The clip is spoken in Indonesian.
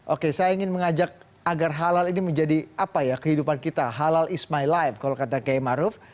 oke saya ingin mengajak agar halal ini menjadi apa ya kehidupan kita halal is my life kalau kata kiai maruf